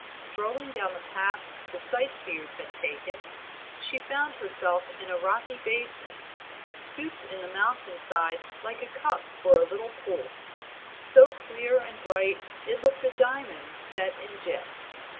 Strolling down the path the sight seers had taken, she found herself in a rocky basin, scooped in the mountain side like a cup for a little pool, so clear and bright it looked a diamond set in jet.